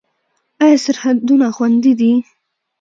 آیا سرحدونه خوندي دي؟